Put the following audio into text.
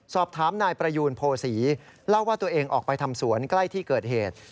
สอบถามนายประยูนโพศีเล่าว่าตัวเองออกไปทำสวนใกล้ที่เกิดเหตุ